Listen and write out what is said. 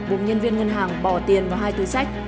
buộc nhân viên ngân hàng bỏ tiền vào hai túi sách